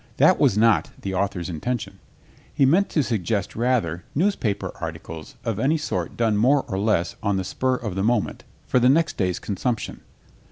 That was not the author's intention. He meant to suggest rather newspaper articles of any sort done more or less on the spur of the moment for next day's consumption.